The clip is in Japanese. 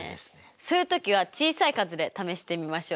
そういう時は小さい数で試してみましょう。